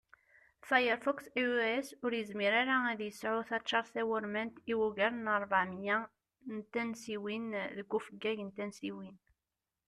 Firefox iOS ur yizmir ara ad yesεu taččart tawurmant i ugar n rbeɛ miyya n tansiwin deg ufeggag n tansiwin